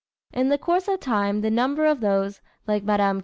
In the course of time the number of those, like Mme.